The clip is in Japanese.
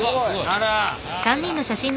あら。